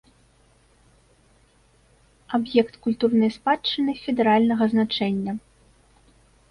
Аб'ект культурнай спадчыны федэральнага значэння.